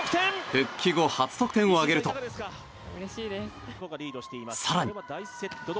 復帰後初得点を挙げると更に。